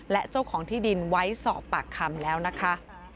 และเจ้าของที่ดินไว้สอบปากคำแล้วนะคะ